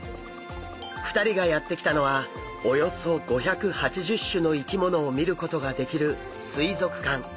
２人がやって来たのはおよそ５８０種の生き物を見ることができる水族館。